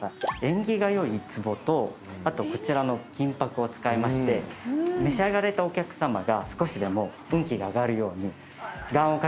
縁起が良いつぼとあとこちらの金箔を使いまして召し上がられたお客さまが少しでも運気が上がるように願を掛けております。